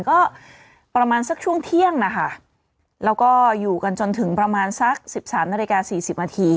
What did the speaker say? ก็ประมาณสักช่วงเที่ยงนะคะแล้วก็อยู่กันจนถึงประมาณสัก๑๓นาฬิกา๔๐นาที